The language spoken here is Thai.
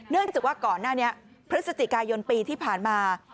เนื่องจากว่าก่อนหน้านี้พฤศจิกายนปีที่ผ่านมา